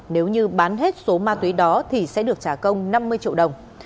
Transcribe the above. nếu như bán hết số ma túy đó thì sẽ được trả công năm mươi triệu đồng